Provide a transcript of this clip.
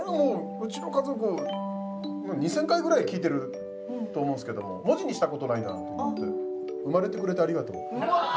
うちの家族２０００回ぐらい聞いてると思うんですけど文字にしたことないなと思って「うまれてくれてありがとう」